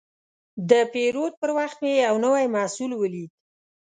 د پیرود پر وخت مې یو نوی محصول ولید.